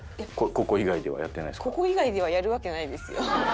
ここ以外ではやるわけないですよ。